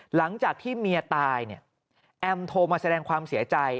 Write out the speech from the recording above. หลังจากที่เมียตายเนี่ยแอมโทรมาแสดงความเสียใจ